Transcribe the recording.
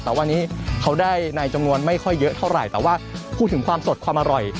แต่วันนี้เขาได้ในจำนวนไม่ค่อยเยอะเท่าไหร่แต่ว่าพูดถึงความสดความอร่อย